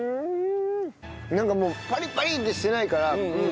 なんかもうパリパリってしてないから。